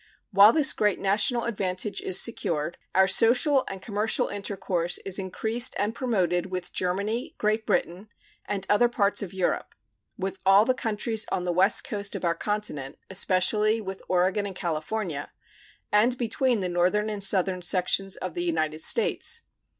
While this great national advantage is secured, our social and commercial intercourse is increased and promoted with Germany, Great Britain, and other parts of Europe, with all the countries on the west coast of our continent, especially with Oregon and California, and between the northern and southern sections of the United States.